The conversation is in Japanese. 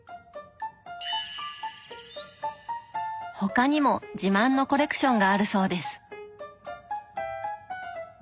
他にも自慢のコレクションがあるそうです。